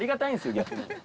逆に。